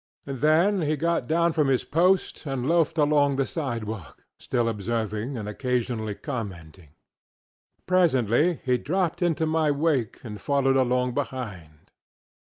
ŌĆØ Then he got down from his post and loafed along the sidewalk, still observing and occasionally commenting. Presently he dropped into my wake and followed along behind.